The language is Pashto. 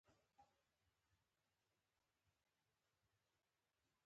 د نورو حقونه مه غلاء کوه